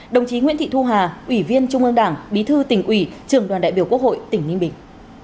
đồng chí nguyễn thị thu hà ủy viên trung ương đảng bí thư tỉnh ủy trường đoàn đại biểu quốc hội tỉnh ninh bình